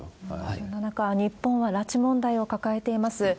そんな中、日本は拉致問題を抱えています。